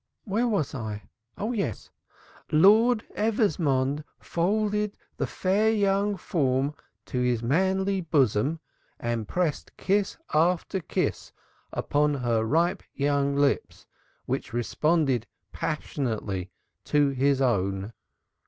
"Where was I? Oh yes. 'Lord Eversmonde folded the fair young form to his manly bosom and pressed kiss after kiss upon her ripe young lips, which responded passionately to his own.